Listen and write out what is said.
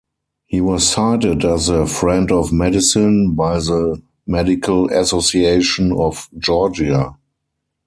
He was cited as a "Friend of Medicine" by the Medical Association of Georgia.